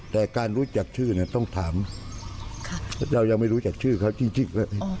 แต่การรู้จักชื่อเนี่ยต้องถามเรายังไม่รู้จักชื่อเขาจริงเลย